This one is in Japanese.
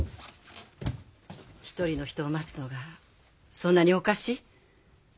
一人の人を待つのがそんなにおかしい？